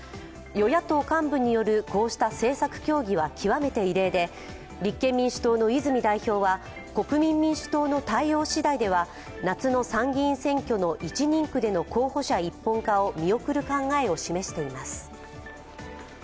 与野党幹部によるこうした政策協議は極めて異例で立憲民主党の泉代表は国民民主党の対応しだいでは夏の参議院選挙の一人区での候補者一本化の